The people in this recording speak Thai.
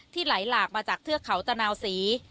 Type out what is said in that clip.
ไหลหลากมาจากเทือกเขาตะนาวศรี